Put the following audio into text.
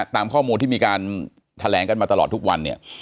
ตามข้อมูลที่มีการแถลงกันมาตลอดทุกวันเนี่ย